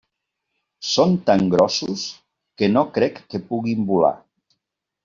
Són tan grossos que no crec que puguin volar.